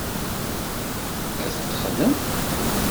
Ad t-texdem.